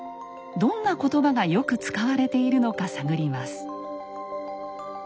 どんな言葉がよく使われているのか探ります。